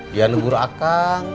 dia negur aku